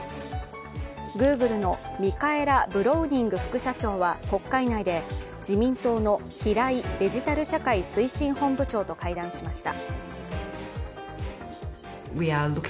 Ｇｏｏｇｌｅのミカエラ・ブロウニング副社長は国会内で自民党の平井デジタル社会推進本部長と会談しました。